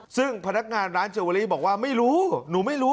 ซึ่งพนักงานร้านเจอเวอรี่บอกว่าไม่รู้หนูไม่รู้